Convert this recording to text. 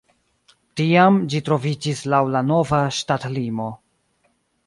Tiam ĝi troviĝis laŭ la nova ŝtatlimo.